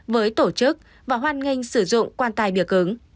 với tổ chức và hoan nghênh sử dụng quan tài bia cứng